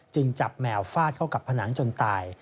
จับแมวฟาดเข้ากับผนังจนตาย